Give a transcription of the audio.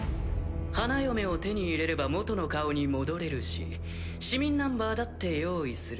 花嫁を手に入れれば元の顔に戻れるし市民ナンバーだって用意する。